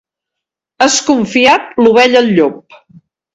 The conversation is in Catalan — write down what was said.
Has confiat l'ovella al llop.